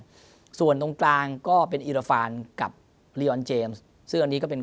ส่วนตรงกลางก็เป็นอิราฟานกับลีออนเจมส์ซึ่งอันนี้ก็เป็น